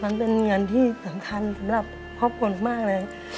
มันเป็นเงินที่สำคัญสำหรับพ่อพ่อคนมาหรอก